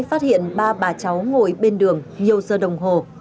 phát hiện ba bà cháu ngồi bên đường nhiều giờ đồng hồ